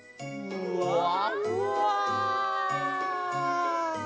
ふわふわ！